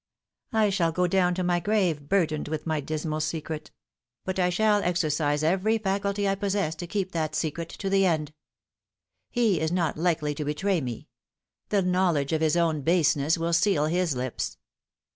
I shall go down to my grave burdened with my dismal secret ; but I shall exercise every faculty I possess to keep that secret to the end. He is r.ot likely to betray me. The knowledge of his own baseness will seal his lips.